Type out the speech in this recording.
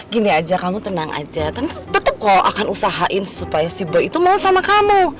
gini aja kamu tenang aja tetap kok akan usahain supaya si bo itu mau sama kamu